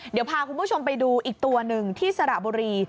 เดี๋ยวพาคุณผู้ชมไปดูอีกตัวหนึ่งที่สระบุรี